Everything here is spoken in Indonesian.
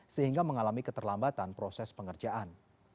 sehingga mengalami keterlambatan proses pengerjaan